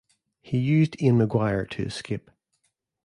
He used Ian McGuire to escape.